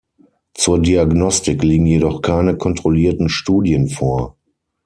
Zur Diagnostik liegen jedoch keine kontrollierten Studien vor.